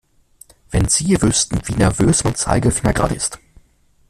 Wenn Sie wüssten, wie nervös mein Zeigefinger gerade ist!